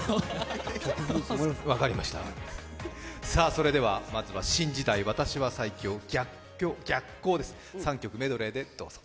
それではまずは「新時代」「私は最強」「逆光」、３曲メドレーでどうぞ。